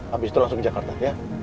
habis itu langsung ke jakarta ya